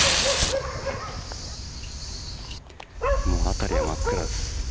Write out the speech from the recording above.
辺りは真っ暗です。